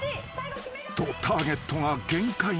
［とターゲットが限界に］